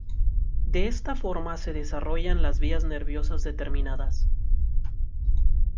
De esta forma se desarrollan las vías nerviosas determinadas.